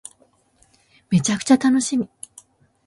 めちゃくちゃ楽しみ